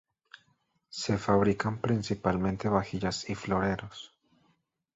Se fabrican principalmente vajillas y floreros.